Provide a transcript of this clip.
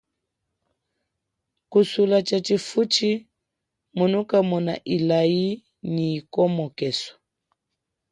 Kusula tshatshi futshi munu kamona ilayi nyi ikomokeso.